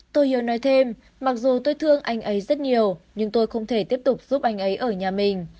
tôi hiếu nói thêm mặc dù tôi thương anh ấy rất nhiều nhưng tôi không thể tiếp tục giúp anh ấy ở nhà mình